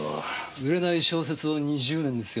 売れない小説を２０年ですよ。